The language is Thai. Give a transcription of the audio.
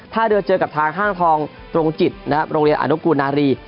เดินเจอกับทางห้างทองตรงจิตนะครับโรงเรียนอนุกูนารี